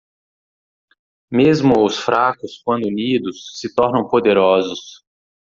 Mesmo os? fracos quando unidos? se tornam poderosos.